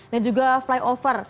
dan juga flyover